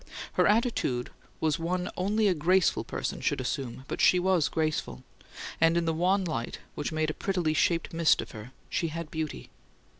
Her attitude was one only a graceful person should assume, but she was graceful; and, in the wan light, which made a prettily shaped mist of her, she had beauty.